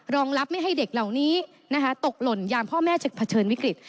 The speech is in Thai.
รองรับไม่ให้เด็กเหล่านี้ตกหล่นยามพ่อแม่จะเผชิญวิกฤต